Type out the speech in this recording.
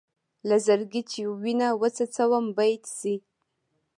له زړګي چې وينه وڅڅوم بېت شي.